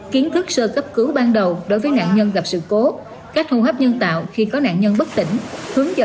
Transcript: kiến thức sơ cấp cứu ban đầu đối với nạn nhân gặp sự cố cách hô hấp nhân tạo khi có nạn nhân bất tỉnh